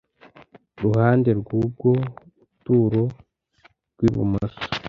ruhande rw ubwo buturo rw ibumoso